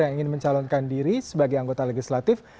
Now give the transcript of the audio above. yang ingin mencalonkan diri sebagai anggota legislatif